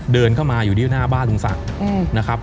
เดินเข้ามาอยู่ที่หน้าบ้านลุงศักดิ์นะครับ